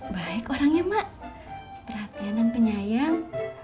baik orangnya mak perhatian dan penyayang